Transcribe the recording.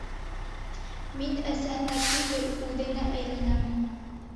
Мин әсәһенә түгел, үҙенә әйләнәм.